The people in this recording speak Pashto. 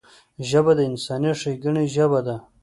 ژبه د انساني ښیګڼې ژبه ده